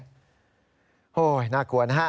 โอ้โหน่ากลัวนะฮะ